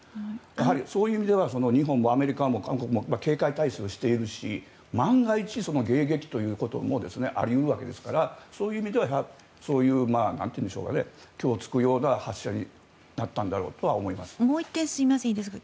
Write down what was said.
そういう意味では日本もアメリカも韓国も警戒態勢をしているし万が一、迎撃ということもあり得るわけですからそういう意味では虚を突くような発射にもう１点、いいですか。